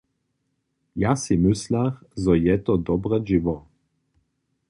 Ja sej myslach, zo je to dobre dźěło?